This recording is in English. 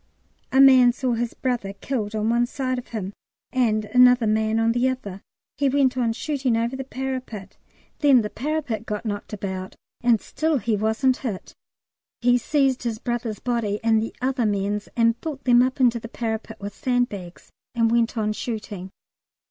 A man saw his brother killed on one side of him and another man on the other. He went on shooting over the parapet; then the parapet got knocked about, and still he wasn't hit. He seized his brother's body and the other man's and built them up into the parapet with sandbags, and went on shooting.